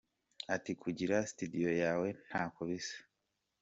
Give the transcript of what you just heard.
Ati “ Kugira studio yawe ntako bisa.